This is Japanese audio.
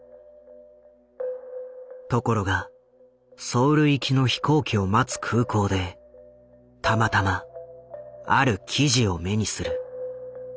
ところがソウル行きの飛行機を待つ空港でたまたまある記事を目にする。